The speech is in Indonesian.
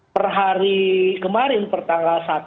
per hari kemarin pertanggal satu